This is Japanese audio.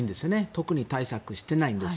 特に対策していないんです。